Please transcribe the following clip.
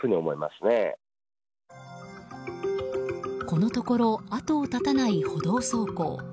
このところ後を絶たない歩道走行。